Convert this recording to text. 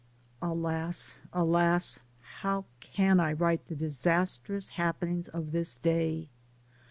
Alas, alas! How can I write the disas trous happenings of this day?